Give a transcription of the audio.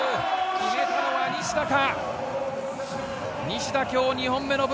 決めたのは西田か。